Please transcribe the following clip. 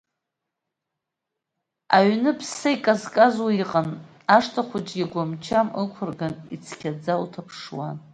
Аҩны ԥсса иказказуа иҟан, ашҭа хәыҷгьы агәам-чам ықәрган, ицқьаӡа уҭаԥшуан.